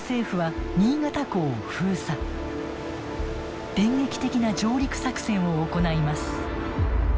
電撃的な上陸作戦を行います。